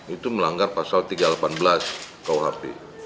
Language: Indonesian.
itu melanggar pasal tiga ratus delapan belas kuhp